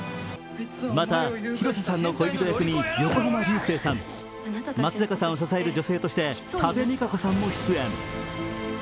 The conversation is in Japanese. また広瀬さんの恋人役に横浜流星さん、松坂さんを支える女性として多部未華子さんも出演。